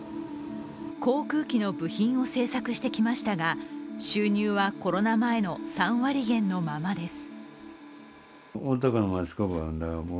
航空機の部品を製作してきましたが、収入はコロナ前の３割減のままです